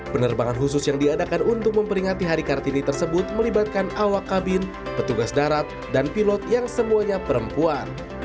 penerbangan khusus yang diadakan untuk memperingati hari kartini tersebut melibatkan awak kabin petugas darat dan pilot yang semuanya perempuan